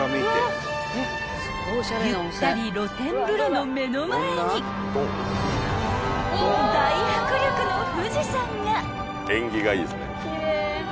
［ゆったり露天風呂の目の前に大迫力の富士山が］